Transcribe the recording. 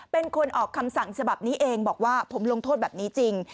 เป็นคนออกคำสั่งฉบับนี้เองบอกว่าผมลงโทษแบบนี้จริง